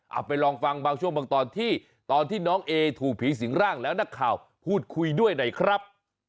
เอาไปลองฟังบางช่วงบางตอนที่ตอนที่น้องเอถูกผีสิงร่างแล้วนักข่าวพูดคุยด้วยหน่อยครับ